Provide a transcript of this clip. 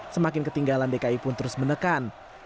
semakin ketinggalan dki pun terus menekan